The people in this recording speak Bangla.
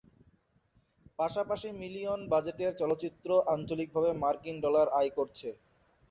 পাশাপাশি মিলিয়ন বাজেটের চলচ্চিত্রটি আঞ্চলিকভাবে মার্কিন ডলার আয় করেছে।